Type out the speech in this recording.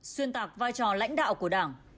xuyên tạc vai trò lãnh đạo của đảng